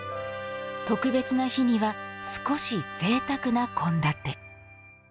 特別な日には少し贅沢な献立。